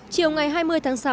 chiều ngày hai mươi tháng sáu